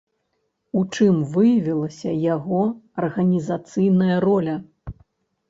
У чым выявілася яго арганізацыйная роля?